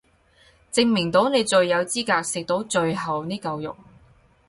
證明到你最有資格食到最後呢嚿肉